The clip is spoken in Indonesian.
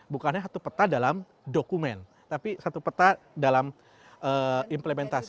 bukannya satu peta dalam dokumen tapi satu peta dalam implementasi